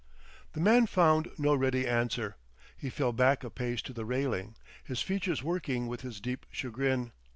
The man found no ready answer. He fell back a pace to the railing, his features working with his deep chagrin.